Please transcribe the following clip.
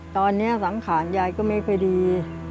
ตอนนี้สังขารยายก็ไม่ค่อยดี